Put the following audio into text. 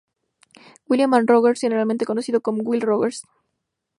William Vann Rogers, generalmente conocido como Will Rogers, Jr.